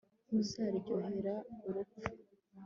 ntuzaryohera urupfu